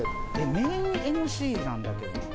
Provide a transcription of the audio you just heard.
メインＭＣなんだけど。